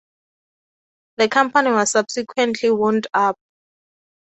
The company was subsequently wound up.